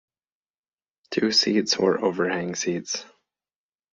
Two seats were overhang seats.